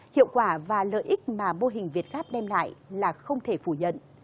hiệu quả và lợi ích mà mô hình việt gáp đem lại là không thể phủ nhận